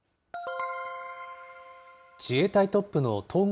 自衛隊トップの統合